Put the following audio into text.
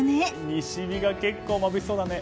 西日が結構、まぶしそうだね。